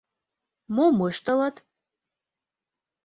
Мом ыштылыт?